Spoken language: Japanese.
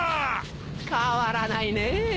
変わらないねぇ。